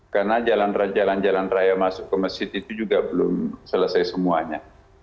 karena jalan jalan raya masuk ke masjid itu juga belum selesai semuanya